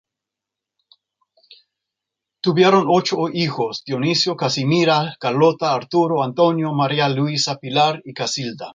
Tuvieron ocho hijos: Dionisio, Casimira, Carlota, Arturo, Antonio, Maria Luisa, Pilar y Casilda.